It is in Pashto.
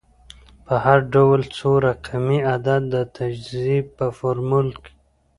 په هر ډول څو رقمي عدد د تجزیې په فورمول